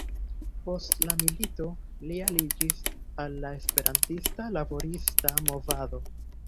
Post la milito li aliĝis al la esperantista laborista movado.